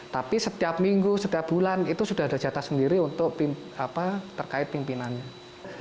tapi setiap minggu setiap bulan itu sudah ada jatah sendiri untuk terkait pimpinannya